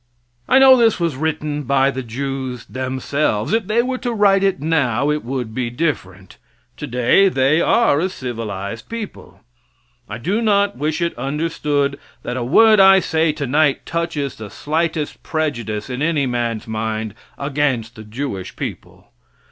I know this was written by the Jews themselves. If they were to write it now, it would be different. Today they are a civilized people. I do not wish it understood that a word I say tonight touches the slightest prejudice in any man's mind against the Jewish people.